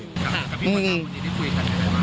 คุณค่ะกับพี่มดดำวันนี้คุยกันได้ไหมครับ